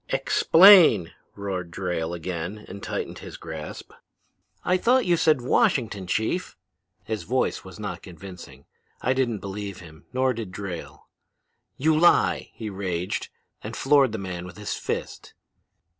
"'Explain!' roared Drayle, and tightened his grasp. "'I thought you said Washington, Chief.' His voice was not convincing. I didn't believe him, nor did Drayle. "'You lie!' he raged, and floored the man with his fist.